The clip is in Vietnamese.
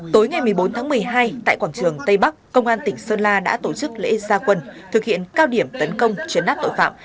tối ngày một mươi bốn tháng một mươi hai tại quảng trường tây bắc công an tỉnh sơn la đã tổ chức lễ gia quân thực hiện cao điểm tấn công chấn áp tội phạm